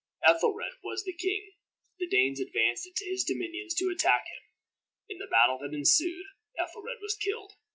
Ethelred was the king. The Danes advanced into his dominions to attack him. In the battle that ensued, Ethelred was killed.